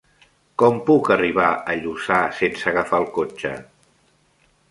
Com puc arribar a Lluçà sense agafar el cotxe?